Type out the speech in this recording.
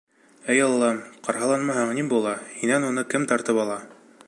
Эй, Аллам, ҡарһаланмаһаң ни була, һинән уны кем тартып ала?